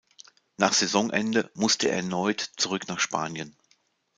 Nach Saisonende musste er erneut zurück nach Spanien.